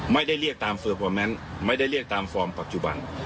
ไม่ได้เรียกตามเฟอร์ฟอร์แมนต์ไม่ได้เรียกตามฟอร์มปัจจุบัน